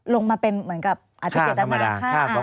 ลงมาเป็นเหมือนกับอาทิเจธรรมดาฆ่าอ่า